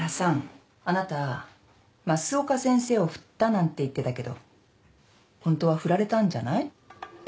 あなた増岡先生を振ったなんて言ってたけどホントは振られたんじゃない？